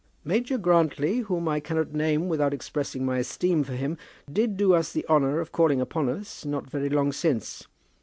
"Major Grantly, whom I cannot name without expressing my esteem for him, did do us the honour of calling upon us not very long since.